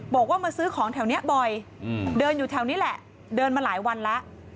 บอกว่ามาซื้อของแถวนี้บ่อยเดินอยู่แถวนี้แหละเดินมาหลายวันแล้ว